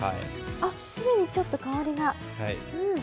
すでにちょっと香りが。